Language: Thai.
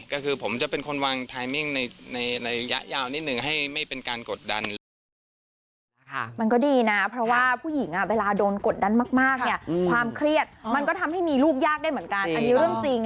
ก็คือผมจะเป็นคนวางไทมิ่งในยะยาวนิดนึง